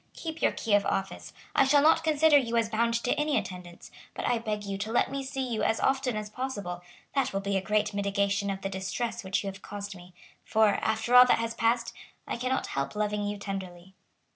Keep your key of office. I shall not consider you as bound to any attendance. But I beg you to let me see you as often as possible. That will be a great mitigation of the distress which you have caused me. For, after all that has passed, I cannot help loving you tenderly."